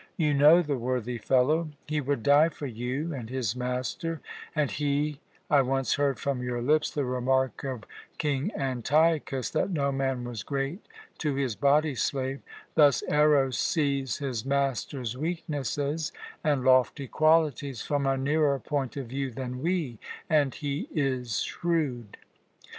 You know the worthy fellow. He would die for you and his master, and he I once heard from your lips the remark of King Antiochus, that no man was great to his body slave thus Eros sees his master's weaknesses and lofty qualities from a nearer point of view than we, and he is shrewd.